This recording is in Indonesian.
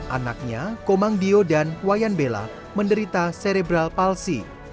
anaknya komang dio dan wayan bela menderita serebral palsi